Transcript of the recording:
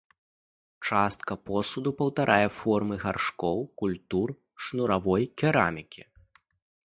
Частка посуду паўтарае формы гаршкоў культур шнуравой керамікі.